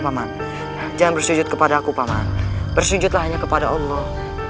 mamat jangan bersujud kepada aku paman bersujudlah hanya kepada allah